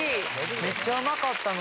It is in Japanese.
めっちゃうまかったのに。